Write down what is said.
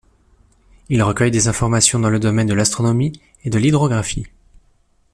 Il recueille des informations dans le domaine de l'astronomie et de l'hydrographie.